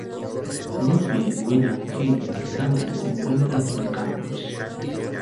Buffy, Willow, Giles y Xander se encuentran en el campus.